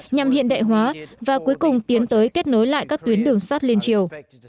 nhằm hiện đại hóa và cuối cùng tiến tới kết nối lại các tuyến đường sát liên triều